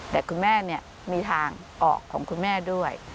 แต่คุณแม่มีทางออกของคุณแม่ด้วย